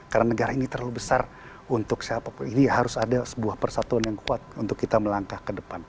karena negara ini terlalu besar untuk siapapun ini harus ada sebuah persatuan yang kuat untuk kita melangkah ke depan